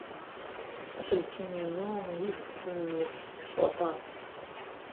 Aselkim-inu yif win-nnek s waṭas.